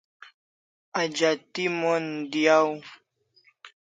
Ajati mon diaw